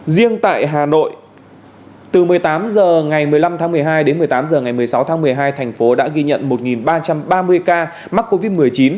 riêng tại hà nội từ một mươi tám h ngày một mươi năm tháng một mươi hai đến một mươi tám h ngày một mươi sáu tháng một mươi hai thành phố đã ghi nhận một ba trăm ba mươi ca mắc covid một mươi chín